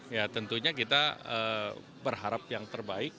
ya tentunya kita berharap yang terbaik